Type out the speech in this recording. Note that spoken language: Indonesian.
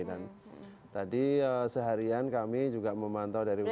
dan tadi seharian kami juga memantau dari udara